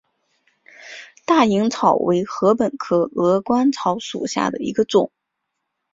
大颖草为禾本科鹅观草属下的一个种。